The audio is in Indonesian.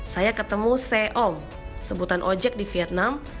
saya ketemu se om sebutan ojek di vietnam